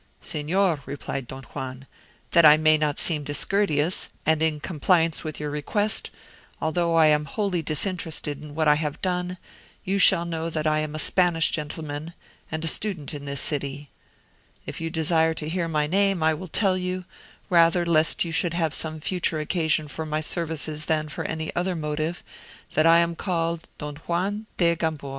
"Signor," replied Don Juan, "that I may not seem discourteous, and in compliance with your request, although I am wholly disinterested in what I have done, you shall know that I am a Spanish gentleman, and a student in this city; if you desire to hear my name I will tell you, rather lest you should have some future occasion for my services than for any other motive, that I am called Don Juan de Gamboa."